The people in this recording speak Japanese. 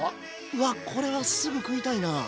わっこれはすぐ食いたいな。